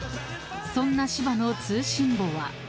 ［そんな芝の通信簿は？］